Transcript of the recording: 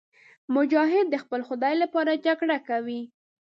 مجاهد د خپل خدای لپاره جګړه کوي.